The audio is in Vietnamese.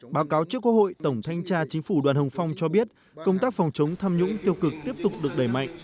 báo cáo trước quốc hội tổng thanh tra chính phủ đoàn hồng phong cho biết công tác phòng chống tham nhũng tiêu cực tiếp tục được đẩy mạnh